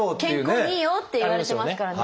健康にいいよっていわれてますから。